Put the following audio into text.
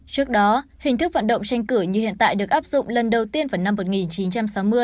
trước đó hình thức vận động tranh cử như hiện tại được áp dụng lần đầu tiên vào năm một nghìn chín trăm sáu mươi